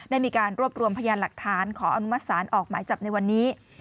ได้มีการรวบรวมพยานหลักฐานขออนุมัติศาลออกหมายจับในวันนี้